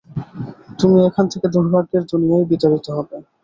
তুমি এখান থেকে দুর্ভাগ্যের দুনিয়ায় বিতাড়িত হবে।